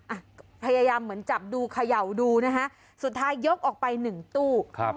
อ่ะพยายามเหมือนจับดูเขย่าดูนะฮะสุดท้ายยกออกไปหนึ่งตู้ครับ